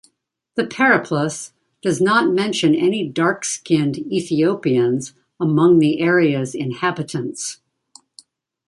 The "Periplus" does not mention any dark-skinned "Ethiopians" among the area's inhabitants.